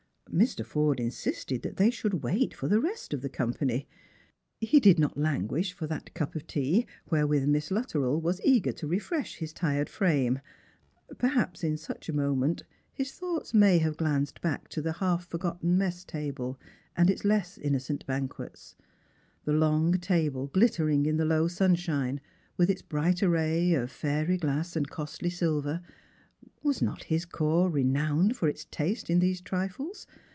Mr. Forde insisted that they should wait for the rest of the company. He did not languish for that cup of tea wherewith Miss Luttrell was eager to refresh his tired frame. Perhaps in such a moment his thoughts may have glanced back to the half forgotton mess table, and its less innocent banquets ; the long table, glittering in the low sunshine, with its bright array of ^'ry 8fi","'» and costly silver — was not his corps renowned for iO Strangers and Pilgnim. ito tnste in these trifles?